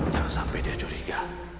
jangan sampai dia curiga